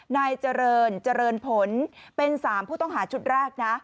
นายเจริญเจริญผลเป็น๓ผู้ต้องหาชุดแรกนะ